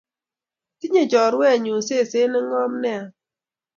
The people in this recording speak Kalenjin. Tinye chorwennyu seset ne ng'om nea